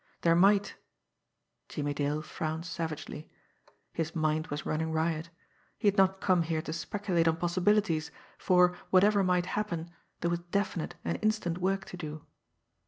There might Jimmie Dale frowned savagely. His mind was running riot! He had not come here to speculate on possibilities; for, whatever might happen, there was definite and instant work to do.